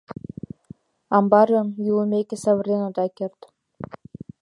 Амбарым, йӱлымеке, савырен ода керт...